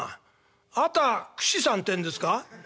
『あたくし』さんてんですか？」。